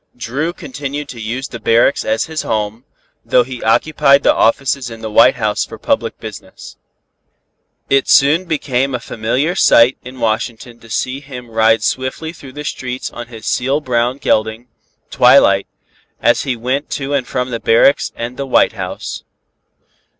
Dru continued to use the barracks as his home, though he occupied the offices in the White House for public business. It soon became a familiar sight in Washington to see him ride swiftly through the streets on his seal brown gelding, Twilight, as he went to and from the barracks and the White House.